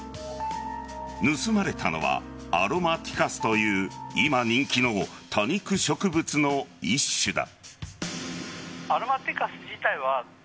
盗まれたのはアロマティカスという今人気の多肉植物の一種だ。